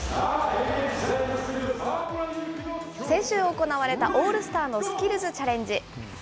先週行われたオールスターのスキルズチャレンジ。